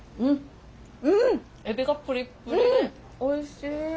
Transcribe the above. エビがプリップリでおいしい。